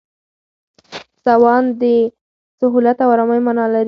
سوان د سهولت او آرامۍ مانا لري.